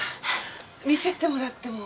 見せてもらっても？